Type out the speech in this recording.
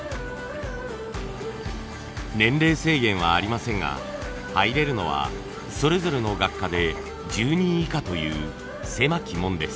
年齢制限はありませんが入れるのはそれぞれの学科で１０人以下という狭き門です。